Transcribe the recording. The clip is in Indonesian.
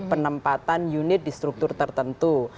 penempatan unit di struktur tertentu